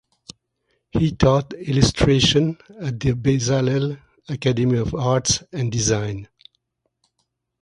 He taught illustration at the Bezalel Academy of Arts and Design.